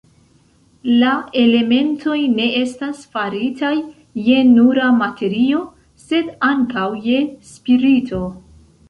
La elementoj ne estas faritaj je nura materio, sed ankaŭ je spirito.